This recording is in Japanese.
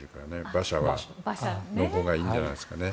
馬車、乗ったほうがいいんじゃないですかね。